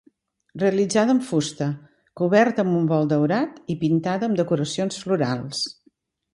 Realitzada en fusta, coberta amb bol daurat i pintada amb decoracions florals.